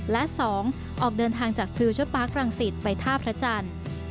และ๒ออกเดินทางจากฟิลเชอร์ปาร์ครังสิตไปท่าพระจันทร์